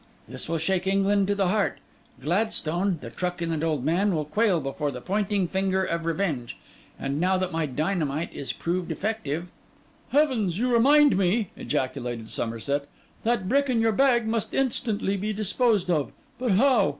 'This will shake England to the heart. Gladstone, the truculent old man, will quail before the pointing finger of revenge. And now that my dynamite is proved effective—' 'Heavens, you remind me!' ejaculated Somerset. 'That brick in your bag must be instantly disposed of. But how?